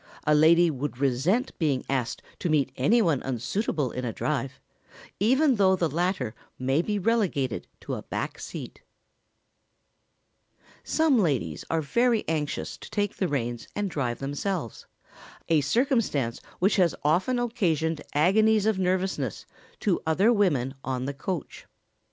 A lady would resent being asked to meet any one unsuitable in a drive, even though the latter may be relegated to a back seat. [Sidenote: A man may refuse a lady the coach reins.] Sometimes ladies are very anxious to take the reins and drive themselves, a circumstance which has often occasioned agonies of nervousness to other women on the coach.